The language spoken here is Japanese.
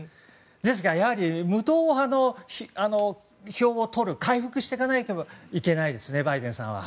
ですが、やはり無党派の票を回復していかないといけないですね。